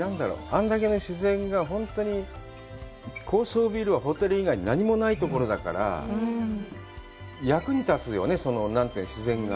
あんだけの自然が、高層ビルはホテル以外に何もないところだから、役に立つよね、自然が。